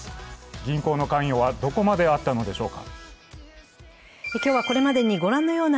銀行の関与はどこまであったのでしょうか。